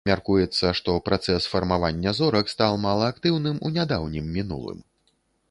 Мяркуецца, што працэс фармавання зорак стаў малаактыўным у нядаўнім мінулым.